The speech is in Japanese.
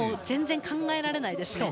全然考えられないです。